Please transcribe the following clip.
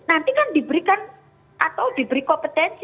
nanti kan diberikan atau diberi kompetensi